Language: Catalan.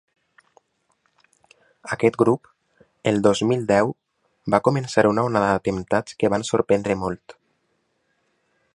Aquest grup, el dos mil deu, va començar una onada d’atemptats que van sorprendre molt.